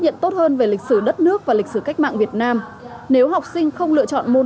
hiện tốt hơn về lịch sử đất nước và lịch sử cách mạng việt nam nếu học sinh không lựa chọn môn